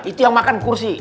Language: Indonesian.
itu yang makan kursi